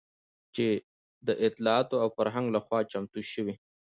چې د اطلاعاتو او فرهنګ لخوا چمتو شوى